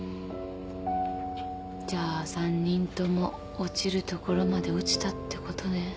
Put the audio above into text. じゃあ３人とも落ちるところまで落ちたってことね。